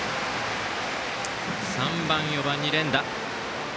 ３番、４番に連打。